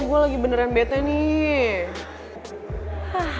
gue lagi beneran bednya nih